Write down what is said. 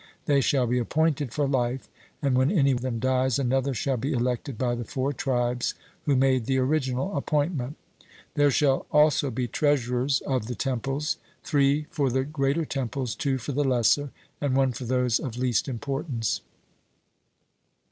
They shall be appointed for life; and when any of them dies, another shall be elected by the four tribes who made the original appointment. There shall also be treasurers of the temples; three for the greater temples, two for the lesser, and one for those of least importance.